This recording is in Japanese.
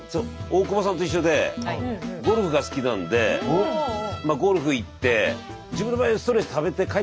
大久保さんと一緒でゴルフが好きなんでゴルフ行って自分の場合はストレスためて帰ってこないですね。